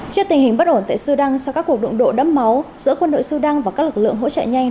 trước tình hình bất ổn tại sudan sau các cuộc đụng độ đẫm máu giữa quân đội sudan và các lực lượng hỗ trợ nhanh